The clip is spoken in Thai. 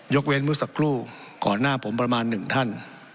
เว้นเมื่อสักครู่ก่อนหน้าผมประมาณหนึ่งท่าน